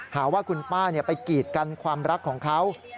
หาว่าคุณป้าไปกีดกันความรักของเขา